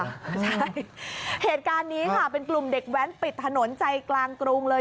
ใช่เหตุการณ์นี้ค่ะเป็นกลุ่มเด็กแว้นปิดถนนใจกลางกรุงเลย